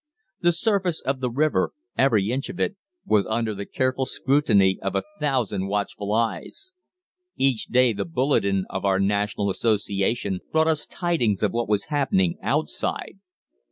The surface of the river, every inch of it, was under the careful scrutiny of a thousand watchful eyes. "Each day the 'Bulletin' of our national association brought us tidings of what was happening outside.